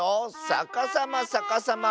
さかさまさかさま！